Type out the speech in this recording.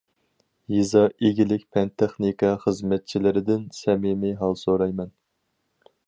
يېزا ئىگىلىك پەن- تېخنىكا خىزمەتچىلىرىدىن سەمىمىي ھال سورايمەن!